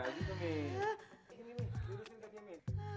lirik sini kak jonny